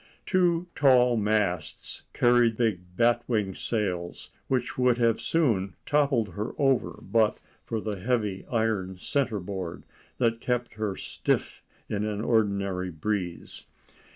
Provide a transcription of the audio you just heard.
Two tall masts carried big bat wing sails, which would have soon toppled her over but for the heavy iron centre board that kept her stiff in an ordinary breeze.